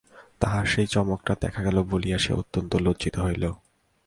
তাহার সেই চমকটা দেখা গেল বলিয়া সে অত্যন্ত লজ্জিত হইল।